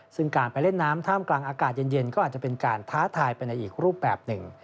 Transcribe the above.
ซึ่งการไปเล่นน้ำท่ามกลางอากาศเย็นก็อาจจะเป็นการท้าทายไปในอีกรูปแบบหนึ่ง